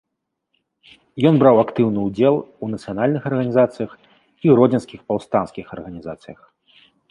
Ён браў актыўны ўдзел у нацыянальных арганізацыях і гродзенскіх паўстанцкіх арганізацыях.